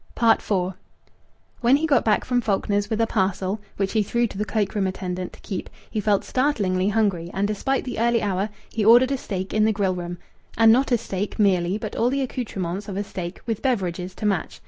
IV When he got back from Faulkner's with a parcel (which he threw to the cloak room attendant to keep) he felt startlingly hungry, and, despite the early hour, he ordered a steak in the grill room; and not a steak merely, but all the accoutrements of a steak, with beverages to match.